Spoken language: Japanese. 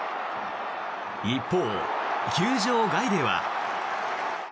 一方、球場外では。